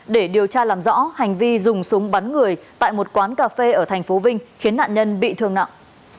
để điều tra làm rõ hành vi dùng súng bắn người tại một quán cà phê ở tp vinh khiến nạn nhân bị thương nặng